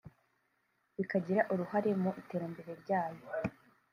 bikagira uruhare mu iterambere ryayo